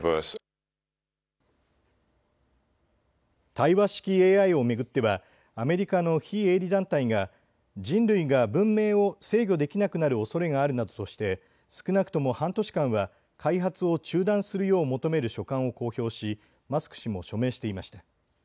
対話式ＡＩを巡ってはアメリカの非営利団体が人類が文明を制御できなくなるおそれがあるなどとして少なくとも半年間は開発を中断するよう求める書簡を公表し、マスク氏も署名していました。